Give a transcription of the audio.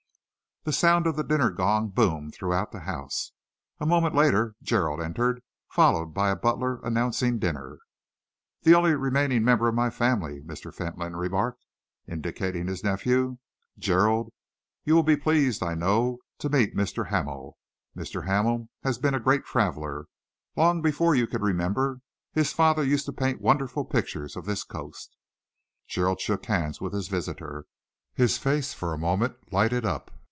The sound of the dinner gong boomed through the house. A moment later Gerald entered, followed by a butler announcing dinner. "The only remaining member of my family," Mr. Fentolin remarked, indicating his nephew. "Gerald, you will be pleased, I know, to meet Mr. Hamel. Mr. Hamel has been a great traveller. Long before you can remember, his father used to paint wonderful pictures of this coast." Gerald shook hands with his visitor. His face, for a moment, lighted up.